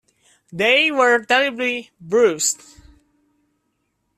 They were terribly bruised.